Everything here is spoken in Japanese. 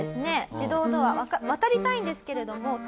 自動ドア渡りたいんですけれどもはい。